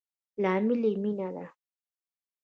لامل يي مينه ده